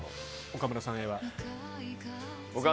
岡村さんへは。